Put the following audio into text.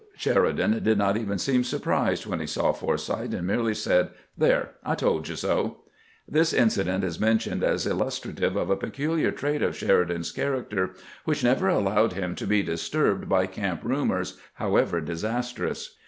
Sheridan did not even seem surprised when he saw Forsyth, and merely said :" There ; I told you so." This incident is mentioned as illustrative of a peculiar trait of Sheridan's character, which never allowed him to be disturbed by camp rumors, however disastrous.